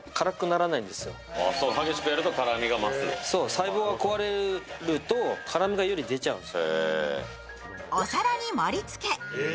細胞が壊れると辛みが出ちゃうんです。